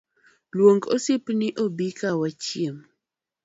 Luong osiepeni obika wachiem.